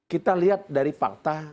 kita lihat dari fakta